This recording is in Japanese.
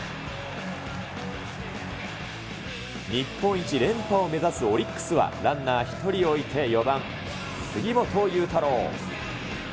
日本一連覇を目指すオリックスは、ランナー１人を置いて４番杉本裕太郎。